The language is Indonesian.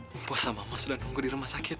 bapak dan mama sudah menunggu di rumah sakit